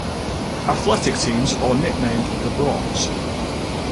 Athletic teams are nicknamed the Broncs.